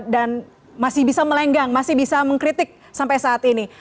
dan masih bisa melenggang masih bisa mengkritik sampai saat ini